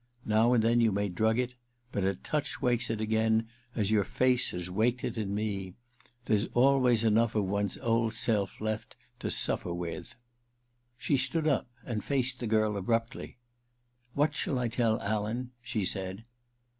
Now and then you may drug it — ^but a touch wakes it again, as your face has waked it in me. There's sdways enough of one's old self left to sufier with. ...' She stood up and faced the girl abruptly. * What shaU I teU Alan.? ' she said.